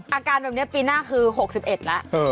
อาการแบบนี้ปีหน้าคือ๖๑แล้ว